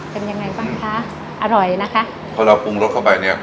เป็นยังไงบ้างคะอร่อยนะคะพอเราปรุงรสเข้าไปเนี้ย